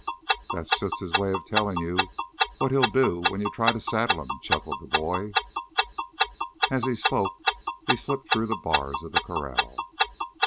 "That's just his way of telling you what he'll do when you try to saddle him," chuckled the boy. As he spoke he slipped through the bars of the corral.